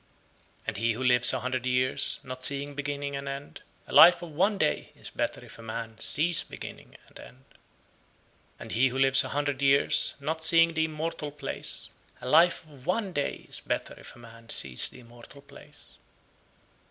113. And he who lives a hundred years, not seeing beginning and end, a life of one day is better if a man sees beginning and end. 114. And he who lives a hundred years, not seeing the immortal place, a life of one day is better if a man sees the immortal place.